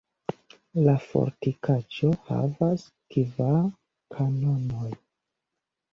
La fortikaĵo havas kvar kanonojn.